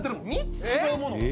「違うものが」